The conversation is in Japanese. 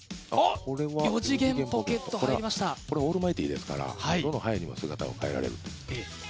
これはオールマイティーですから、どのパイにも姿を変えられる。